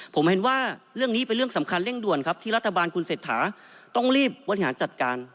ผมเห็นว่าเรื่องนี้เป็นเรื่องสำคัญเร่งด่วนครับที่รัฐบาลคุณเศรษฐาต้องรีบบริหารจัดการ